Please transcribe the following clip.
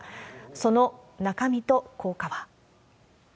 その中身と効果は。